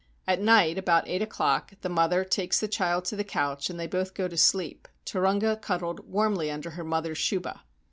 At night, about eight o'clock, the mother takes the child to the couch and they both go to sleep, Turunga cuddled warmly under her mother's shuha.